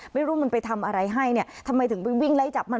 ไม่รู้มันไปทำอะไรให้เนี่ยทำไมถึงไปวิ่งไล่จับมัน